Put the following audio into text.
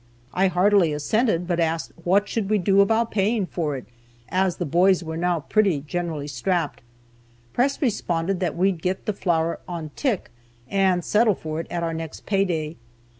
I heartily assented, but asked what should we do about paying for it, as the boys were now pretty generally strapped. Press responded that we'd get the flour "on tick," and settle for it at our next pay day.